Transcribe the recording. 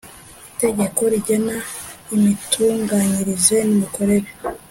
itegeko rigena imitunganyirize n imikorere